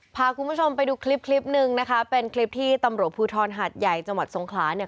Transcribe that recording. พาคุณผู้ชมไปดูคลิปคลิปหนึ่งนะคะเป็นคลิปที่ตำรวจภูทรหาดใหญ่จังหวัดสงขลาเนี่ย